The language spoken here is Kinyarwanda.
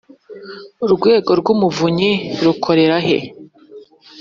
Urwego rw Umuvunyi rukorera he